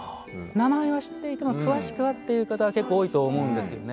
名前は知っていても詳しくはっていう方結構多いと思うんですよね。